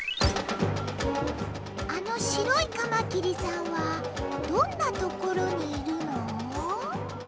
あのしろいかまきりさんはどんなところにいるの？